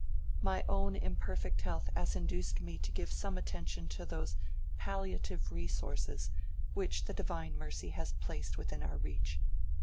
My own imperfect health has induced me to give some attention to those palliative resources which the divine mercy has placed within our reach.